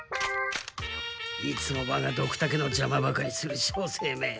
いつもわがドクタケのじゃまばかりする照星め